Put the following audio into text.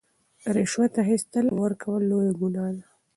رشوت اخیستل او ورکول لویه ګناه ده.